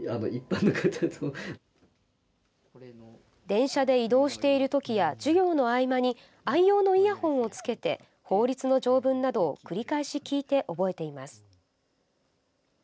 電車で移動している時や授業の合間に愛用のイヤホンをつけて法律の条文などを繰り返し聞いて覚えています。